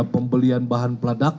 pembelian bahan peladak